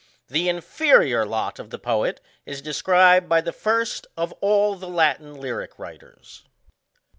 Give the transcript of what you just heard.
The inferior lot of the poet is described by the first of all the Latin lyric writers.